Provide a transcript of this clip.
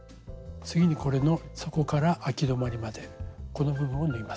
次にこれの底からあき止まりまでこの部分を縫います。